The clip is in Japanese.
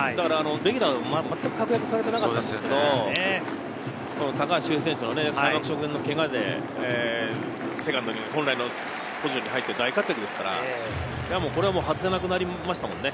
レギュラーでまったく確約されていなかったんですけど、高橋選手のけがで、セカンドに本来のポジションに入って大活躍ですから、もう外せなくなりましたもんね。